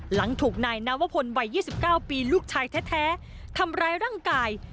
หลังถูกนายนวพลวัย๒๙ปีลูกชายแท้ทำร้ายร่างกาย